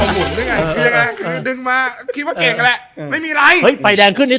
คือดึงมาคิดว่าเก่งกันแหละ